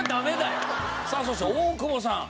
さあそして大久保さん。